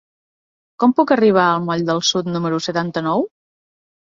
Com puc arribar al moll del Sud número setanta-nou?